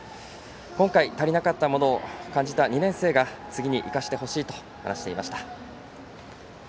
今回、足りなかったものを感じた２年生が次に生かしてほしいと話していました。